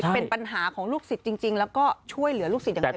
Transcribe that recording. เป็นปัญหาของลูกศิษย์จริงแล้วก็ช่วยเหลือลูกศิษย์อย่างเต็ม